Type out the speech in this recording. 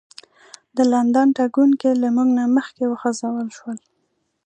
د لندن تګونکي له موږ نه مخکې وخوځول شول.